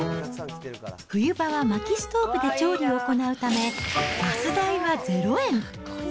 冬場はまきストーブで調理を行うため、ガス代は０円。